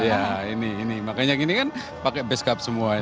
ya ini makanya gini kan pakai base cup semua ini